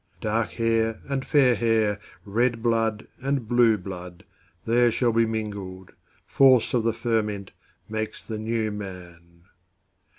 Dark hair and fair hair, Red blood and blue blood, There shall be mingled; Force of the fermentMakes the New Man.